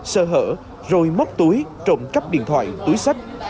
sơ hở rồi móc túi trộm cắp điện thoại túi sách